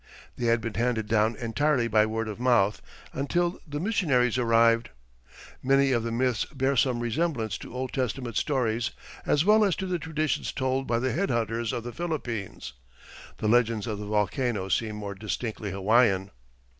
They had been handed down entirely by word of mouth until the missionaries arrived. Many of the myths bear some resemblance to Old Testament stories as well as to the traditions told by the head hunters of the Philippines. The legends of the volcano seem more distinctly Hawaiian.